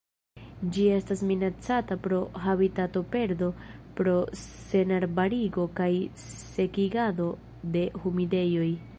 Ĝi estas minacata pro habitatoperdo pro senarbarigo kaj sekigado de humidejoj.